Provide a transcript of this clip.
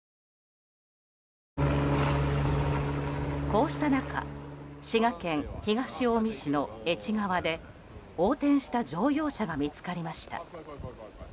こうした中滋賀県東近江市の愛知川で横転した乗用車が見つかりました。